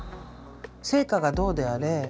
成果がどうであれ